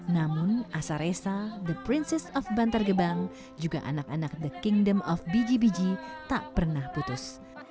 namun asaresa the princies of bantar gebang juga anak anak the kingdom of biji biji tak pernah putus